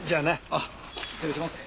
あっ失礼します。